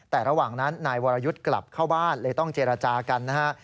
แต่ระหว่างนั้นนายวรยุทธ์กลับเข้าบ้านเลยต้องเจรจากันนะฮะ